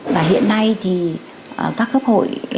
và hiện nay thì các cấp hội